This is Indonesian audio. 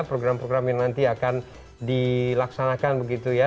program program yang nanti akan dilaksanakan begitu ya